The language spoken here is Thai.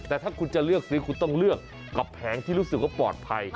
แต่ถ้าคุณจะเลือกซื้อคุณต้องเลือกกับแผงที่รู้สึกว่าปลอดภัย